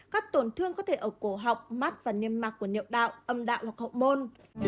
các tổn thương có thể ở cổ học mắt và niêm mạc của niệm đạo âm đạo hoặc hậu môn